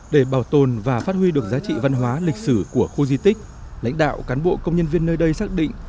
để bảo tồn và phát huy được giá trị văn hóa lịch sử của khu di tích lãnh đạo cán bộ công nhân viên nơi đây xác định